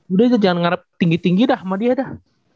udah aja jangan ngarep tinggi tinggi dah sama dia dah